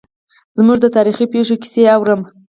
زه د تاریخي پېښو کیسې اورم.